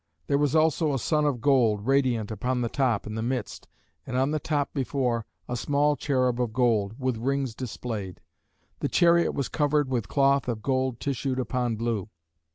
There was also a sun of gold, radiant, upon the top, in the midst; and on the top before, a small cherub of gold, with wings displayed. The chariot was covered with cloth of gold tissued upon blue.